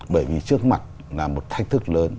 bởi vì trước mặt là một thách thức lớn